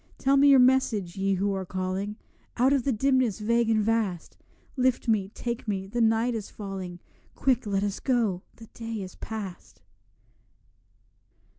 Tell me your message, Ye who are calling Out of the dimness vague and vast; Lift me, take me, the night is falling; Quick, let us go, the day is past.